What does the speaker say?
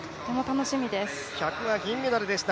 １００は銀メダルでした。